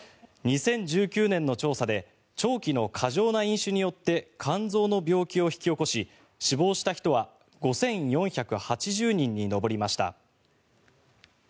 ２０１９年の調査で長期の過剰な飲酒によって肝臓の病気を引き起こし死亡した人は５４８０人に上りました。